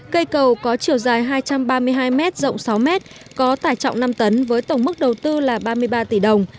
cây cầu có chiều dài hai trăm ba mươi hai m rộng sáu m có tải trọng năm tấn với tổng mức đầu tư là ba mươi ba tỷ đồng